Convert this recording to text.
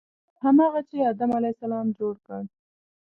هماغه چې آدم علیه السلام جوړ کړ.